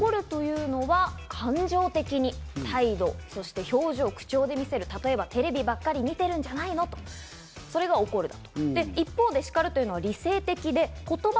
「怒る」というのは、感情的に、態度、表情、口調で見せる、例えば「テレビばっかり見てるんじゃない！」と、それが「怒る」だと。